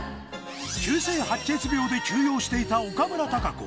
急性白血病で休養していた岡村孝子。